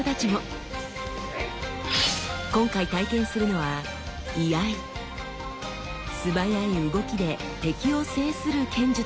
今回体験するのは素早い動きで敵を制する剣術です。